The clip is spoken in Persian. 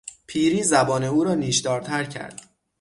پیری زبان او را نیشدارتر کرد.